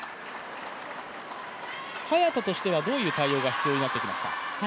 早田としてはどういう対応が必要になってきますか？